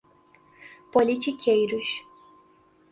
politiqueiros